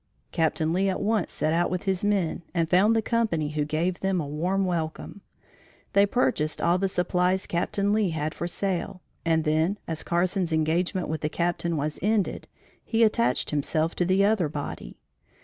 Captain Lee at once set out with his men and found the company who gave them a warm welcome. They purchased all the supplies Captain Lee had for sale, and then, as Carson's engagement with the Captain was ended, he attached himself to the other body.